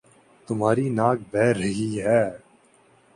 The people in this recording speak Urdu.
تمہاری ناک بہ رہی ہے